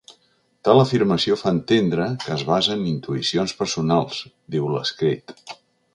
Tal afirmació fa entendre que es basa en intuïcions personals, diu l’escrit.